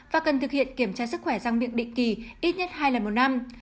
và cần thực hiện kiểm tra sức khỏe răng miệng định kỳ ít nhất hai lần một năm